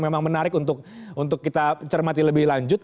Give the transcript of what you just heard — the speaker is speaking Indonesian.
memang menarik untuk kita cermati lebih lanjut